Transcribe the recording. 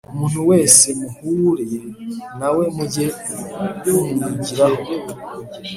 umuntu wese muhuye na we muge mumwigiraho,